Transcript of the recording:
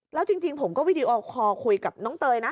แล้วจริงผมก็วิดีโอคอลคุยกับน้องเตยนะ